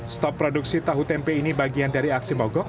stop produksi tahu tempe ini bagian dari aksi mogok